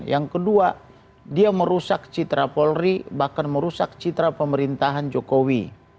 yang kedua dia merusak citra polri bahkan merusak citra pemerintahan jokowi